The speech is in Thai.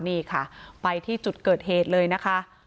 นี่ค่ะไปที่จุดเกิดเหตุเลยนะคะ